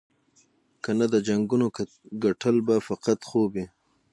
کنه د جنګونو ګټل به فقط خوب وي.